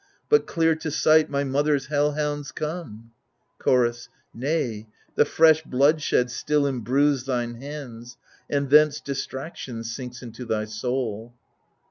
But clear to sight my mother's hell hounds come ! Chorus Nay, the fresh bloodshed still imbrues thine hands. And thence distraction sinks into thy soul.